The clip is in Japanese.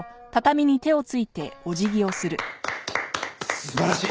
素晴らしい！